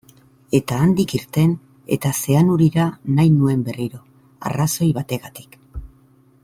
Eta handik irten eta Zeanurira nahi nuen berriro, arrazoi bategatik.